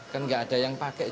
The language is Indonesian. kan nggak ada yang pakai